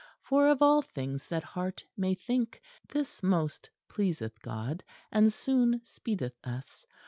For of all things that heart may think, this most pleaseth God, and soonest speedeth us.